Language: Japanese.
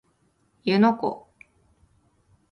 湯ノ湖